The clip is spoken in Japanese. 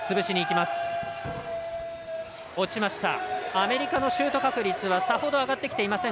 アメリカのシュート確率はさほど上がってきていません。